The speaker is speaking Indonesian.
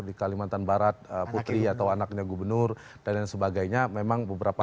di kalimantan barat putri atau anaknya gubernur dan lain sebagainya memang beberapa